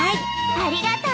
ありがとう。